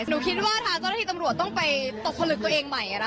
หนูคิดว่าทางเจ้าหน้าที่ตำรวจต้องไปตกผลึกตัวเองใหม่